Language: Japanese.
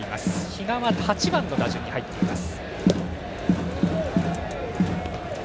比嘉は８番の打順に入っています。